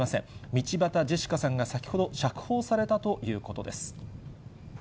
道端ジェシカさんが先ほど釈放されたということです。